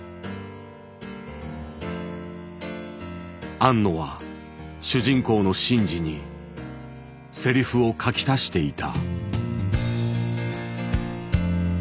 庵野は主人公のシンジにセリフを書き足していた。